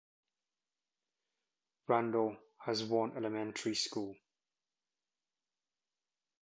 Randall has one elementary school.